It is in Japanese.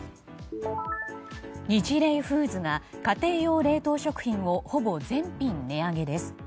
ニチレイフーズが家庭用冷凍食品をほぼ全品値上げです。